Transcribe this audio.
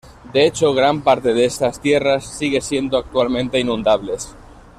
De hecho, gran parte de estas tierras siguen siendo actualmente inundables.